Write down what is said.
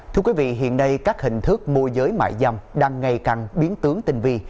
thưa quý vị hiện nay các hình thức môi giới mại dâm đang ngày càng biến tướng tình vi